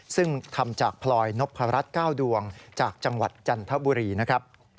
ซึ่งทำจากพลอยนพรัช๙ดวงจากจังหวัดจันทบุรีนะครับ